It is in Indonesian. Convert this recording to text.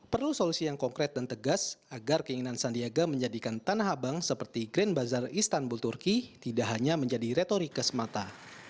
perlu solusi yang konkret dan tegas agar keinginan sandiaga menjadikan tanah abang seperti grand bazar istanbul turki tidak hanya menjadi retorika semata